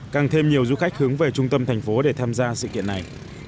càng thêm nhiều du khách hướng về trung tâm thành phố để tham gia sự kiện này